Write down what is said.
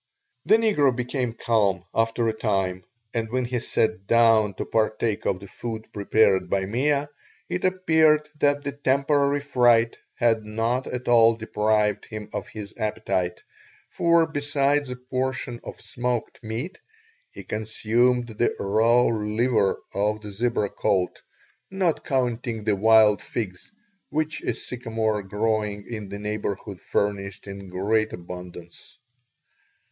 The negro became calm after a time and when he sat down to partake of the food prepared by Mea, it appeared that the temporary fright had not at all deprived him of his appetite, for besides a portion of smoked meat he consumed the raw liver of the zebra colt, not counting the wild figs, which a sycamore growing in the neighborhood furnished in great abundance.